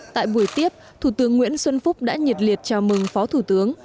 tại buổi tiếp thủ tướng nguyễn xuân phúc đã nhiệt liệt chào mừng phó thủ tướng